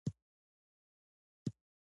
دستمال او رومال